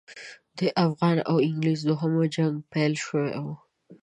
د افغان او انګلیس دوهم جنګ پیل شوی وو.